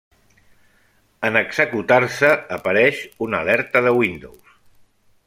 En executar-se apareix una alerta de Windows.